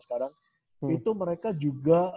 sekarang itu mereka juga